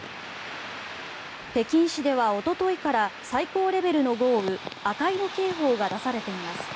北京市ではおとといから最高レベルの豪雨赤色警報が出されています。